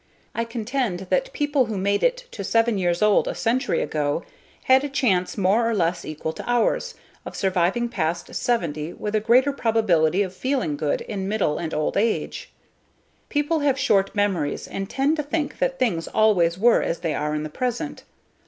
I contend that people who made it to seven years old a century ago had a chance more or less equal to ours, of surviving past seventy with a greater probability of feeling good in middle and old age. People have short memories and tend to think that things always were as they are in the present.